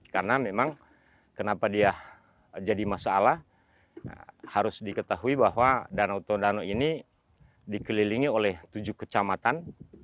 karena memang kenapa dia jadi masalah harus diketahui bahwa danau tondano ini dikelilingi oleh tujuh kecamatan